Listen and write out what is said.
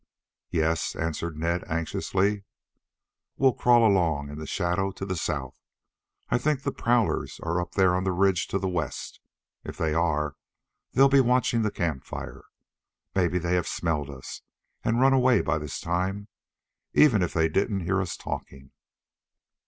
"Yes," answered Ned anxiously. "We'll crawl along in the shadow to the south. I think the prowlers are up there on the ridge to the west. If they are, they'll be watching the camp fire. Maybe they have smelled us and run away by this time, even if they didn't hear us talking."